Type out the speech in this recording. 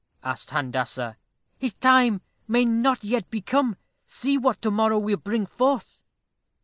asked Handassah. "His time may not yet be come. See what to morrow will bring forth."